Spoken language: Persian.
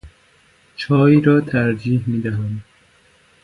چای را ترجیح می دهم.